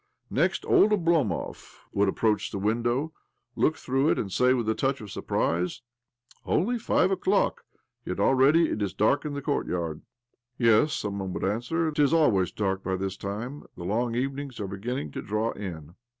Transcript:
Next, old Oblomov would approach the window, look through it, and say with a OBLOMOV 135 touch of surprise :" Only five o'clock, yet already it is dark in the courtyard 1 "" Yes," some one would answer, " 'tis always dark by this time. The long even ings are beginning to draw in."